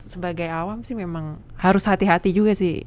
sebagai awam sih memang harus hati hati juga sih